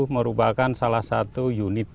merupakan salah satu unit